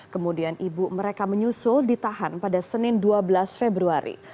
kemudian ibu mereka menyusul ditahan pada senin dua belas februari